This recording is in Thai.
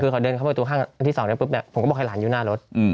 คือเขาเดินเข้าประตูข้างที่๒ได้ปุ๊บเนี่ยผมก็บอกให้หลานอยู่หน้ารถ